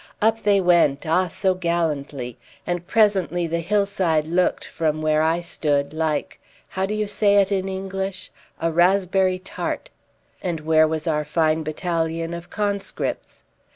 Up they went, ah, so gallantly! and presently the hillside looked, from where I stood, like how do you say it in English? a raspberry tart. And where was our fine battalion of conscripts?